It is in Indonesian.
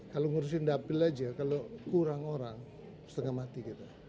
kalau ngurusin dapil aja kalau kurang orang setengah mati kita